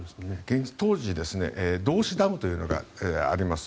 当時道志ダムというのがあります。